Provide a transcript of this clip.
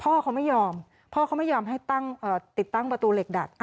พ่อเขาไม่ยอมพ่อเขาไม่ยอมให้ตั้งติดตั้งประตูเหล็กดัด